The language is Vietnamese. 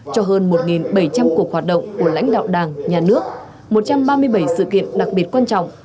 cho hơn một bảy trăm linh cuộc hoạt động của lãnh đạo đảng nhà nước một trăm ba mươi bảy sự kiện đặc biệt quan trọng